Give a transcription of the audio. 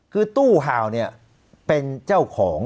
คือตู้ห่าวเนี่ยเป็นเจ้าของ